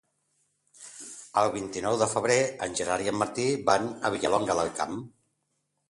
El vint-i-nou de febrer en Gerard i en Martí van a Vilallonga del Camp.